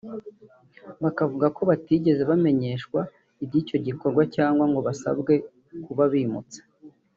Bakavuga ko batigeze bamenyeshwa iby’icyo gikorwa cyangwa ngo basabwe kuba bimutse